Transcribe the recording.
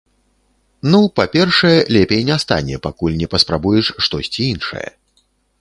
Ну, па-першае, лепей не стане, пакуль не паспрабуеш штосьці іншае.